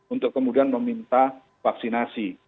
untuk kemudian meminta vaksinasi